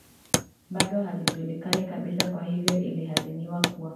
bado haijulikani kabisa kwa hivyo inadhaniwa kuwa